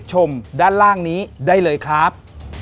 ชมด้านล่างนี้ได้เลยครับ